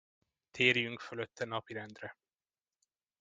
Térjünk fölötte napirendre!